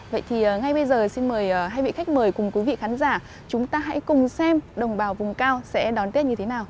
vậy thì ngay bây giờ xin mời hai vị khách mời cùng quý vị khán giả chúng ta hãy cùng xem đồng bào vùng cao sẽ đón tết như thế nào